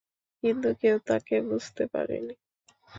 কিন্তু কেউ তাকে বুঝতে পারেনি।